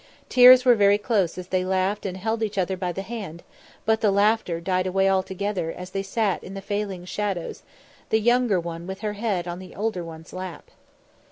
Tears were very close as they laughed and held each other by the hand, but the laughter died away altogether as they sat in the falling shadows, the younger one with her head on the older one's lap.